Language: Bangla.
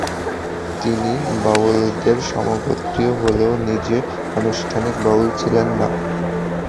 তিনি বাউলদের সমগোত্রীয় হলেও নিজে আনুষ্ঠানিক বাউল ছিলেন না।